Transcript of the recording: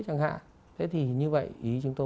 chẳng hạn thế thì như vậy ý chúng tôi